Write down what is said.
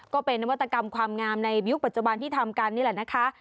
ก็เป็นนวัตกรรมความงามในยุคปัจจุบันที่ทำกันนี่แหละนะคะ